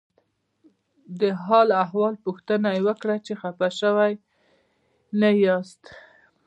د حال او احوال پوښتنه یې وکړه چې خپه شوي نه یاست.